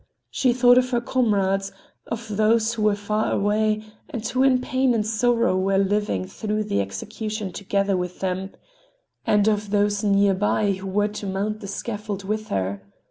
She thought of her comrades, of those who were far away, and who in pain and sorrow were living through the execution together with them, and of those near by who were to mount the scaffold with her.